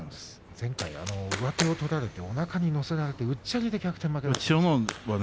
前回、上手を取られておなかに乗せられてうっちゃりでしたよね。